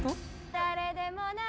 「誰でもない」